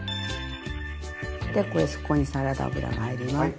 でこれそこにサラダ油が入ります。